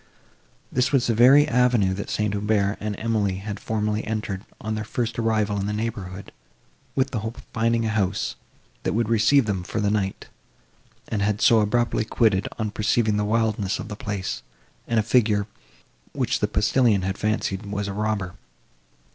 This was the very avenue that St. Aubert and Emily had formerly entered, on their first arrival in the neighbourhood, with the hope of finding a house, that would receive them, for the night, and had so abruptly quitted, on perceiving the wildness of the place, and a figure, which the postillion had fancied was a robber.